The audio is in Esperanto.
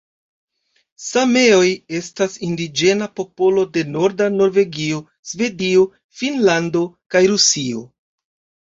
Sameoj estas indiĝena popolo de nordaj Norvegio, Svedio, Finnlando kaj Rusio.